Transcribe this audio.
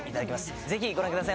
ぜひご覧ください。